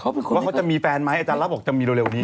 ว่าเขาจะมีแฟนไหมอาจารย์รับบอกจะมีเร็วนี้